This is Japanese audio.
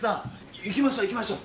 行きましょう行きましょう。